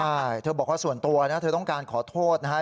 ใช่เธอบอกว่าส่วนตัวนะเธอต้องการขอโทษนะฮะ